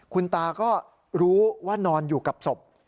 คุณตาก็รู้ว่านอนอยู่กับศพ